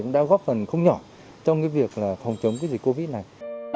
cũng đã góp phần không nhỏ trong cái việc là phòng chống cái dịch covid này